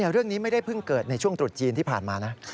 เรื่องนี้ไม่ได้เพิ่งเกิดในช่วงตรุษจีนที่ผ่านมานะ